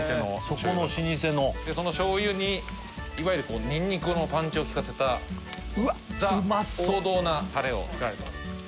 そこの老舗のその醤油にいわゆるニンニクのパンチを利かせたザ王道なタレを造られてます